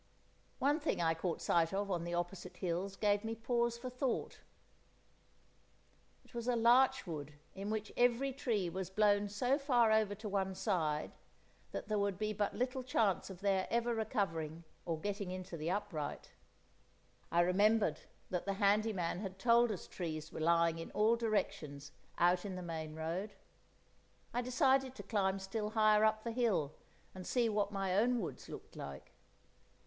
One thing I caught sight of on the opposite hills gave me pause for thought: it was a larch wood in which every tree was blown so far over to one side, that there would be but little chance of their ever recovering or getting into the upright. I remembered that the handy man had told us trees were lying in all directions out in the main road. I decided to climb still higher up the hill and see what my own woods looked like.